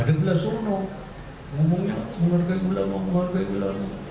ada pula sono ngomongnya menghargai ulama menghargai ulama